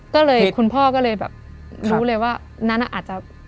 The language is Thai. ก็เลยคุณพ่อก็เลยแบบรู้เลยว่านั้นอาจจะ